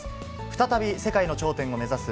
再び世界の頂点を目指す